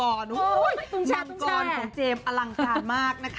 กรรมรวมของเจมส์อลังการมากนะคะ